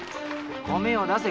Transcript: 米をだせ！